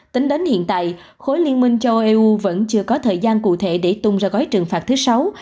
tính đến hiện tại khối liên minh châu âu eu vẫn chưa có thời gian cụ thể để tung ra gói trừng phạt thứ sáu